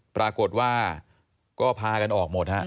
ปรากฏว่าก็พากันออกหมดฮะ